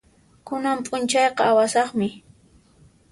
Kunan p'unchayqa awasaqmi.